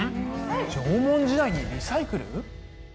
縄文時代にリサイクル？